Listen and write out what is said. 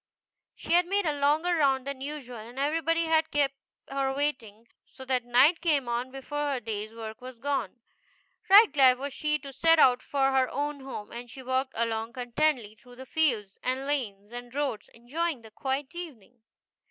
She had made a longer round than usual, and everybody had kept her waiting, so that night came on before her day's work was done. Right glad was she to set out for her own home, and she walked along contentedly through the fields, and lanes, and roads, enjoying the quiet evening.